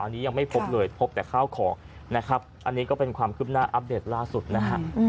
อันนี้ยังไม่พบเลยพบแต่ข้าวของนะครับอันนี้ก็เป็นความคืบหน้าอัปเดตล่าสุดนะฮะ